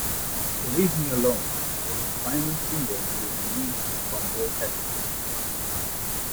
"Leave Me Alone" was the final single to be released from their album.